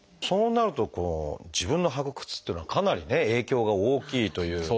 そうなると自分の履く靴っていうのはかなりね影響が大きいという。